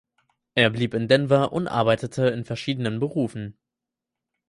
Er blieb in Denver und arbeitete in verschiedenen Berufen.